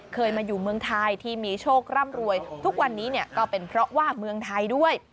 เคยมาอยู่เมืองไทยที่มีโชคร่ำรวยทุกวันนี้เนี่ยก็เป็นเพราะว่าเมืองไทยด้วย